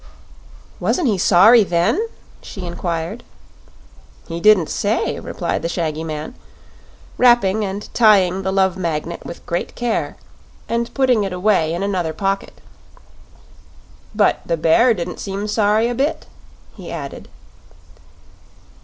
"Wasn't he sorry then?" she inquired. "He didn't say," replied the shaggy man, wrapping and tying the Love Magnet with great care and putting it away in another pocket. "But the bear didn't seem sorry a bit," he added.